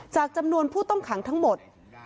จำนวนผู้ต้องขังทั้งหมด